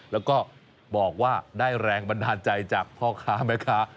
แล้วก็บอกว่าได้แรงบันดาลใจจากพ่อค้าแม่ค้า